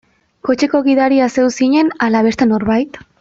Kotxeko gidaria zeu zinen ala beste norbait?